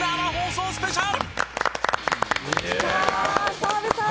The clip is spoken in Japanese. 澤部さん！